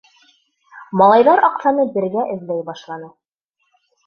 Малайҙар аҡсаны бергә эҙләй башланы.